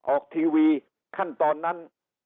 ออกทีวีขั้นตอนนั้น